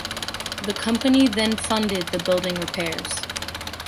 The company then funded the building repairs.